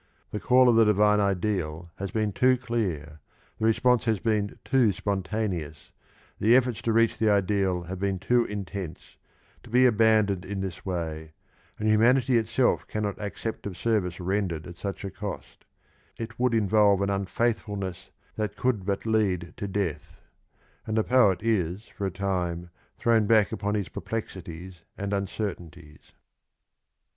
The call of the divine ideal has been too clear, the response has been too spontaneous, the efforts to reach the ideal have been too intense, to be abandoned in this way, and humanity itself cannot accept of service ren dered at such a cost; it would involve an unfaithfulness that could but lead to death ; and the poet is for a time thrown back upon his perplexities and uncertainties.